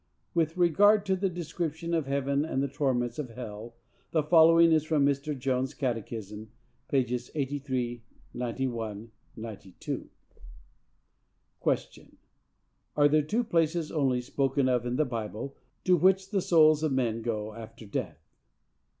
With regard to the description of heaven and the torments of hell, the following is from Mr. Jones' catechism, pp. 83, 91, 92: Q. Are there two places only spoken of in the Bible to which the souls of men go after death?